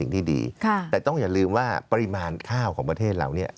ที่ดีแต่ต้องอย่าลืมว่าปริมาณข้าวของประเทศเราเนี่ย